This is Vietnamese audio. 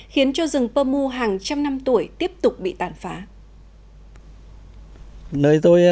khiến cho rừng pơ mu hàng trăm năm tuổi tiếp tục bị tàn phá